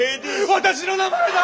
私の名前だ！